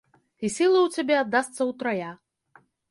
І сілы у цябе аддасца утрая.